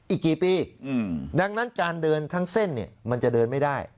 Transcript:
อีกกี่ปีดังนั้นการเดินทั้งเส้นเนี่ยมันจะเดินไม่ได้